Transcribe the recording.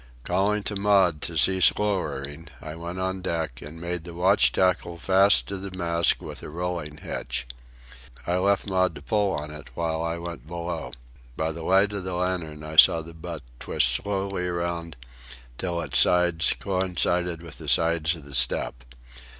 Calling to Maud to cease lowering, I went on deck and made the watch tackle fast to the mast with a rolling hitch. I left Maud to pull on it while I went below. By the light of the lantern I saw the butt twist slowly around till its sides coincided with the sides of the step.